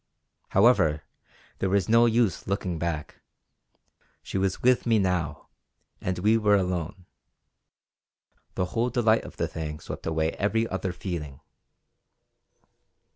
However, there was no use looking back. She was with me now, and we were alone. The whole delight of the thing swept away every other feeling.